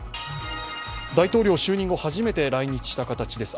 大統領就任後初めて来日した形です。